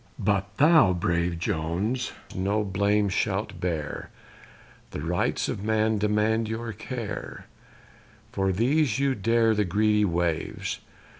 But thou, brave Jones, no blame shalt bear, The rights of man demand your care: For these you dare the greedy waves.